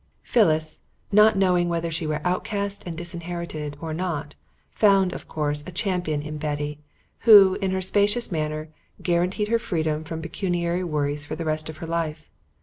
Phyllis, not knowing whether she were outcast and disinherited or not, found, of course, a champion in Betty, who, in her spacious manner, guaranteed her freedom from pecuniary worries for the rest of her life.